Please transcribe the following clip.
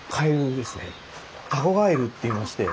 タゴガエルっていいまして。